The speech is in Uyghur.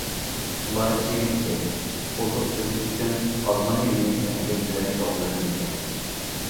ئۇلار كىيىم-كېچەك، ئوزۇق-تۈلۈك ئۈچۈن ئازغىنا يېنىك ئەمگەك بىلەن شۇغۇللىنىدىكەن.